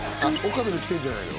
岡部の着てんじゃないの？